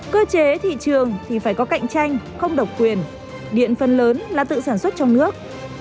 cơ chế thị trường thì phải có cạnh tranh không độc quyền điện phần lớn là tự sản xuất trong nước